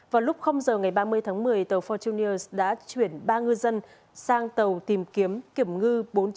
vào lúc giờ ngày ba mươi tháng một mươi tàu fortuniers đã chuyển ba ngư dân sang tàu tìm kiếm kiểm ngư bốn trăm chín mươi